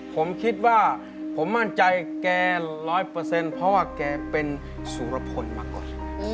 ผมคิดว่าผมมั่นใจแกร้อยเปอร์เซ็นต์เพราะว่าแกเป็นสุรพลมากกด